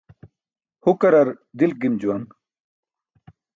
Hukarar dilk gim juwan.